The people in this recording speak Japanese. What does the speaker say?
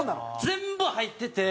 全部入ってて。